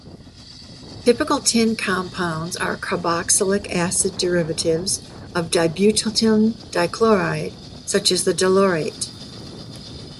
Typical tin compounds are carboxylic acid derivatives of dibutyltin dichloride, such as the dilaurate.